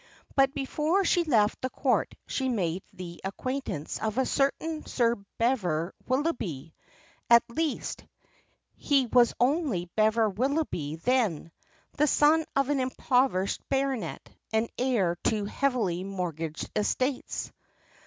But before she left the Court she made the acquaintance of a certain Sir Bever Willoughby at least, he was only Bever Willoughby then, the son of an impoverished baronet, and heir to heavily mortgaged estates.